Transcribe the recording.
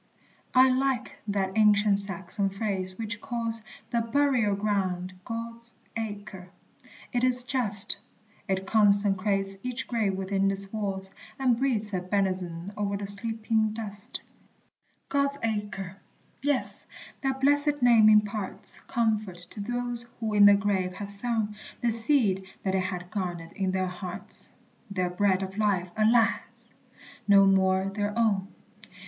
I like that ancient Saxon phrase which calls The burial ground God's Acre! It is just; It consecrates each grave within its walls, And breathes a benison o'er the sleeping dust. God's Acre! Yes, that blessed name imparts Comfort to those who in the grave have sown The seed that they had garnered in their hearts, Their bread of life, alas! no more their own.